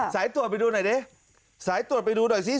สายตรวจไปดูหน่อยดิ